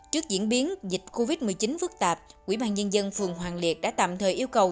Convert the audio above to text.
trước diễn biến dịch covid một mươi chín phức tạp quỹ ban nhân dân phường hoàng liệt đã tạm thời yêu cầu